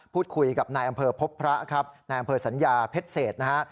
พูดคุยกับนายอำเภอพบพระครับนายอำเภอสัญญาเพชรเศษนะฮะ